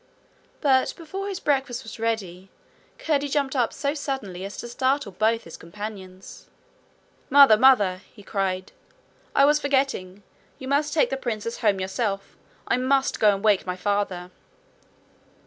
But before his breakfast was ready, Curdie jumped up so suddenly as to startle both his companions. 'Mother, mother!' he cried, 'I was forgetting. You must take the princess home yourself. I must go and wake my father.'